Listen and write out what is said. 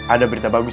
ada berita bagus